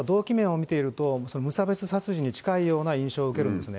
これは動機面を見ていると、無差別殺人に近いような印象を受けるんですね。